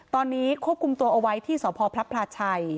ตอนนี้ควบคุมตัวเอาไว้ที่สพพระพลาชัย